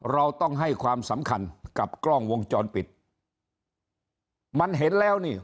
เราต้องให้ความสำคัญกับกล้องวงจรปิดมันเห็นแล้วนี่